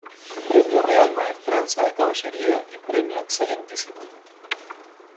Premio Real Maestranza de Caballería y Premio Excmo.